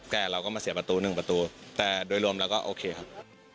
แต่เราก็มาเสียประตูหนึ่งประตูแต่โดยรวมเราก็โอเคครับ